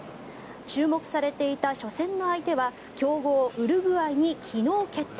注目されていた初戦の相手は強豪ウルグアイに昨日決定。